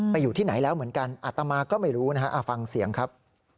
อยู่ที่ไหนแล้วเหมือนกันอาตมาก็ไม่รู้นะฮะฟังเสียงครับ